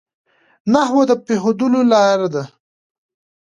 نحوه د پوهېدو لار ده.